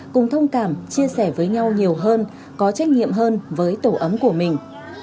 cùng thông cảm chia sẻ với nhau nhiều hơn có trách nhiệm hơn với tổ ấm của mình